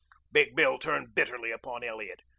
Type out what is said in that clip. Big Bill turned bitterly upon Elliot.